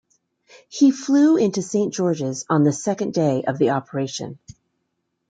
He flew into Saint George's on the second day of the operation.